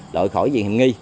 đội khỏi diện nghi